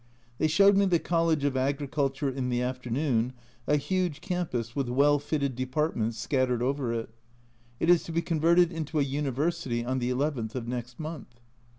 They showed me the College of Agriculture in the afternoon, a huge campus with well fitted departments scattered over it It is to be converted into a University on the nth of next month.